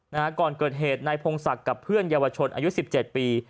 นะฮะก่อนเกิดเหตุนายพงศักดิ์กับเพื่อนเยาวชนอายุสิบเจ็ดปี